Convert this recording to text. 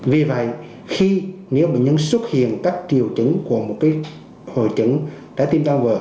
vì vậy khi nếu bệnh nhân xuất hiện các điều chứng của một hội chứng trái tim tan vỡ